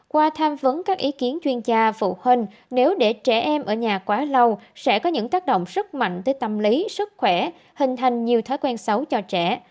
qua tham vấn các ý kiến chuyên gia phụ huynh nếu để trẻ em ở nhà quá lâu sẽ có những tác động rất mạnh tới tâm lý sức khỏe hình thành nhiều thói quen xấu cho trẻ